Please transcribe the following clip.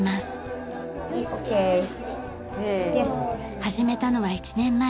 始めたのは１年前。